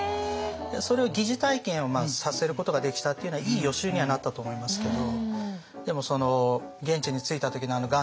それを疑似体験をさせることができたっていうのはいい予習にはなったと思いますけど。